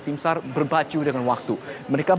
timsar berbacu dengan waktu mereka